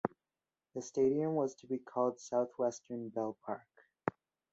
The stadium was to be called "Southwestern Bell Park".